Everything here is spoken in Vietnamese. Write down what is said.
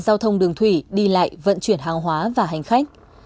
giao thông đường thủy đi lại vận chuyển hàng hóa và hành khách